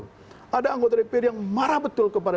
kalau ada anggota dpr yang marah betul kepada